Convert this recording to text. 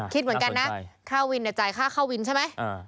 คิดเหมือนกันนะคะวินในใจค่าวินใช่ไหมเออ